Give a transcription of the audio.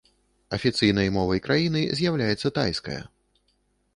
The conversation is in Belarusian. Афіцыйнай мовай краіны з'яўляецца тайская.